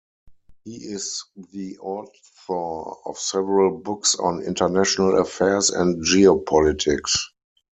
He is the author of several books on international affairs and geopolitics.